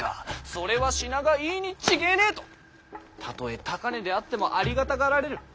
それは品がいいに違えねぇ」とたとえ高値であってもありがたがられる。